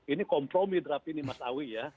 ini kompromi draft ini mas awi ya